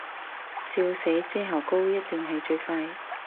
笑死，遮瑕膏一定係最快